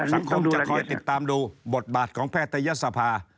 หายใจไม่ดีก็ว่าเพราะว่า